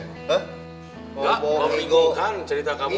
enggak mau minggungkan cerita kamu